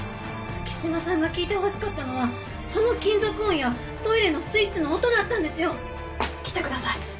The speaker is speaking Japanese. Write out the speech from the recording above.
木嶋さんが聞いてほしかったのはその金属音やトイレのスイッチの音だったんですよ！来てください。